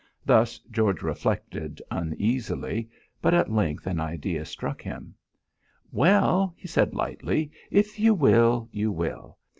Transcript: Thus George reflected uneasily. But at length an idea struck him. "Well," he said lightly, "if you will, you will.